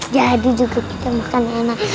jadi juga kita makan enak